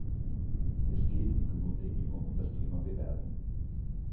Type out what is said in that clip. Es geht im Grunde immer um das Thema Bewerbung.